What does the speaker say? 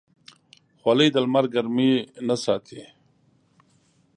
خولۍ د لمر ګرمۍ نه ساتي.